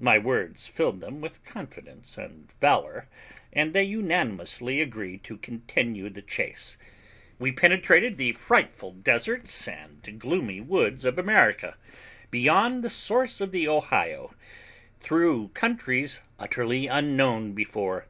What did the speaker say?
My words filled them with confidence and valour, and they unanimously agreed to continue the chase. We penetrated the frightful deserts and gloomy woods of America, beyond the source of the Ohio, through countries utterly unknown before.